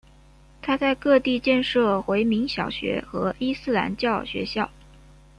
他在各地建设回民小学和伊斯兰教学校。